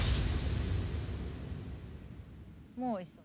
もうおいしそう。